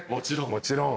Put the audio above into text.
もちろん。